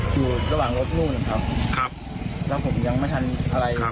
อยู่ระหว่างรถลูกนะครับครับแล้วผมยังไม่ทันอะไร